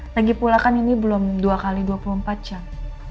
lagi pula kan ini belum dua x dua puluh empat jam